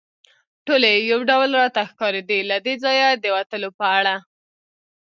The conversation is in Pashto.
ټولې یو ډول راته ښکارېدې، له دې ځایه د وتلو په اړه.